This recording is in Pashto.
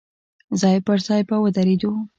ځای پر ځای به ودرېدو.